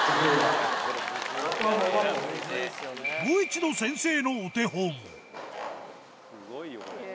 もう一度先生のお手本スゴいよ。